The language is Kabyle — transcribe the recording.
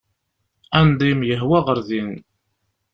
Anda i am-yehwa ɣer din.